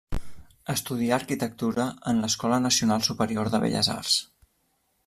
Estudià Arquitectura en l'Escola Nacional Superior de Belles Arts.